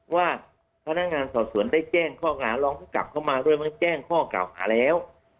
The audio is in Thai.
ว่าพนักงานสอดศูนย์ได้แจ้งข้อกลางลองกลับเข้ามาด้วยมันแจ้งข้อกล่าวหาแล้ว